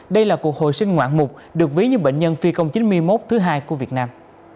đây là cuộc hồi sinh ngoạn mục được ví như bệnh nhân phi công chín mươi một thứ hai của việt nam